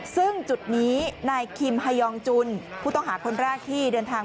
ซึ่งจุดนี้นายคิมฮายองจุนผู้ต้องหาคนแรกที่เดินทาง